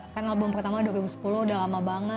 karena album pertama dua ribu sepuluh udah lama banget